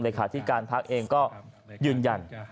เหลือขาดธิการภักรเองก็ยืนยัน